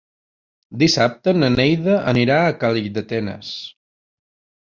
Dissabte na Neida anirà a Calldetenes.